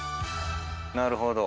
なるほど。